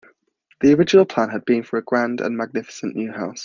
The original plan had been for a grand and magnificent new house.